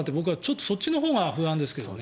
そっちのほうが不安ですけどね。